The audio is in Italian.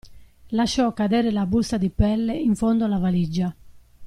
Lasciò cadere la busta di pelle in fondo alla valigia.